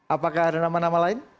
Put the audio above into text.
apakah ada nama nama lain